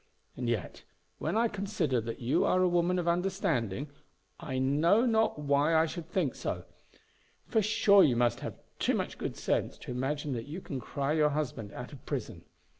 And yet, when I consider that you are a woman of understanding, I know not why I should think so; for sure you must have too much good sense to imagine that you can cry your husband out of prison.